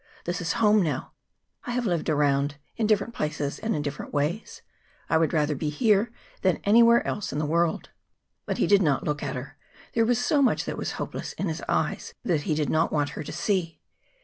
This is home now. I have lived around in different places and in different ways. I would rather be here than anywhere else in the world." But he did not look at her. There was so much that was hopeless in his eyes that he did not want her to see.